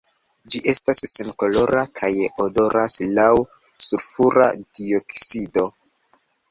Ĝi estas senkolora kaj odoras laŭ sulfura dioksido.